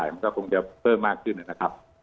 มันก็คงจะเพิ่มมากขึ้นนะครับ